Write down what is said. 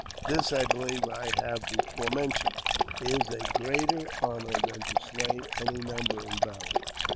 This, I believe I have before mentioned, is a greater honour than to slay any number in battle.